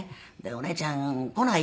「お姉ちゃん来ない？」